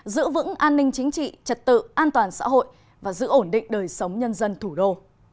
giữ vững an ninh chính trị trật tự an toàn xã hội và giữ ổn định đời sống nhân dân thủ đô